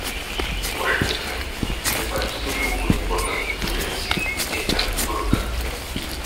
Por el contrario, el partido tuvo una importante influencia en el ámbito local.